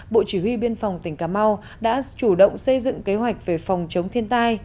bộ chỉ huy biên phòng tỉnh cà mau đã chủ động xây dựng kế hoạch về phòng chống thiên tai